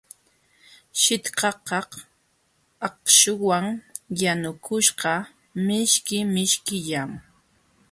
Shitqakaq akśhuwan yanukuśhqa mishki mishkillam.